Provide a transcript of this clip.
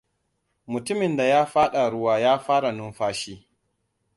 Mutumin da ya faɗa ruwa ya fara numfashi.